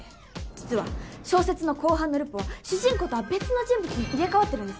実は小説の後半のルポは主人公とは別の人物に入れ替わってるんです。